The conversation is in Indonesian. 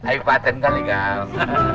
ayu paten kali kak